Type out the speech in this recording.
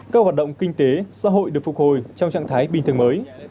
các hoạt động kinh tế xã hội được phục hồi trong trạng thái bình thường mới